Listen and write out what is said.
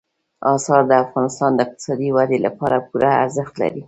انار د افغانستان د اقتصادي ودې لپاره پوره ارزښت لري.